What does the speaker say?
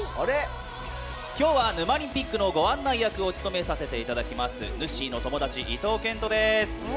きょうは「ヌマリンピック」のご案内役を務めさせていただきますぬっしーの友達・伊東健人です。